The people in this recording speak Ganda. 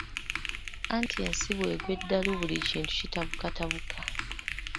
Anti ensi bw’egwa eddalu buli kintu kitabukatabuka.